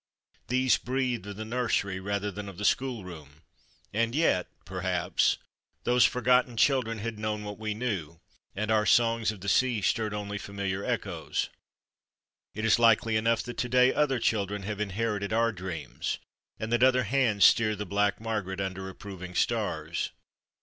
These breathed of the nursery rather than of the schoolroom, and yet, perhaps, those for gotten children had known what we knew, and our songs of the sea stirred only familiar echoes. It is likely enough that to day other children have inherited our dreams, and that other hands steer the Black Mar garet under approving stars.